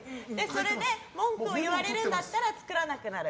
それで文句を言われるんだったら作らなくなる。